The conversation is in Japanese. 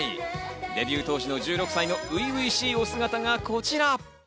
デビュー当時の１６歳の初々しいお姿がこちら。